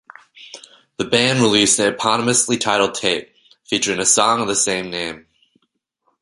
The band released an eponymously titled tape featuring a song of the same name.